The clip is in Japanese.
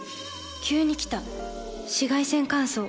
急に来た紫外線乾燥。